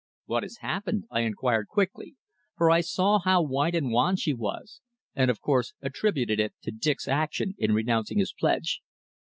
"What has happened?" I inquired quickly, for I saw how white and wan she was, and of course attributed it to Dick's action in renouncing his pledge.